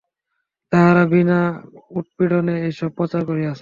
তাহারা বিনা উৎপীড়নে এইসব প্রচার করিয়াছে।